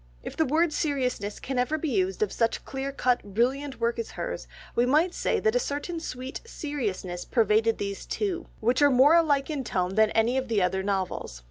If the word seriousness can ever be used of such clear cut, brilliant work as hers, we might say that a certain sweet seriousness pervaded these two, which are more alike in tone than any of the other novels.